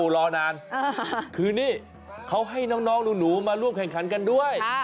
รอนานคือนี่เขาให้น้องหนูมาร่วมแข่งขันกันด้วย